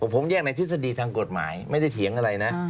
ผมแยกในทฤษฎีทางกฎหมายไม่ได้เถียงอะไรนะ